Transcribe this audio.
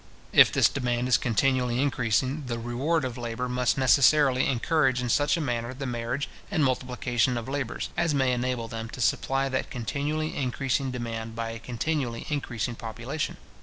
If this demand is continually increasing, the reward of labour must necessarily encourage in such a manner the marriage and multiplication of labourers, as may enable them to supply that continually increasing demand by a continually increasing population.